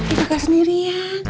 itu gak sendiri ya